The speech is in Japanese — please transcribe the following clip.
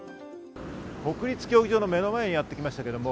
国立競技場の目の前にやってきました。